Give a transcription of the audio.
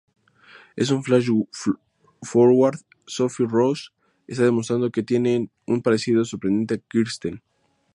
En un flash-forward, Sophie Rose está demostrado que tienen un parecido sorprendente a Kirsten.